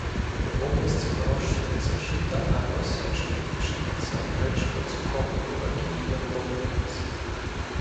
У вобласці вырошчваюцца жыта, авёс, ячмень, пшаніца, грэчка, цукровыя буракі, лён-даўгунец.